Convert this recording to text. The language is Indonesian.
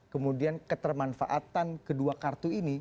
kemudian ketermanfaatan kedua kartu ini